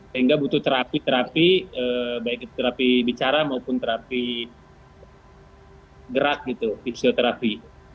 sehingga butuh terapi terapi baik itu terapi bicara maupun terapi gerak gitu fisioterapi